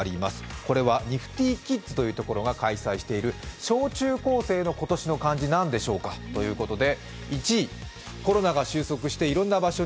これはニフティキッズというところが開催している小中高生の今年の漢字、何でしょうかということです。